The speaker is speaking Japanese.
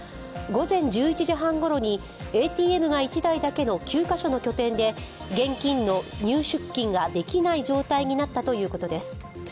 午前１１時半ごろにＡＴＭが１台だけの９カ所の拠点で現金の入出金ができない状態になったということです。